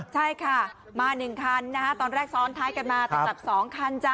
ใช่ค่ะมา๑คันนะฮะตอนแรกซ้อนท้ายกันมาแต่จับ๒คันจ้ะ